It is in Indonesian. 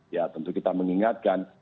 ya tentu kita mengingatkan